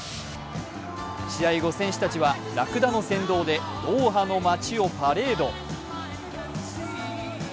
試合後、選手たちはラクダの先導でドーハの街をパレード。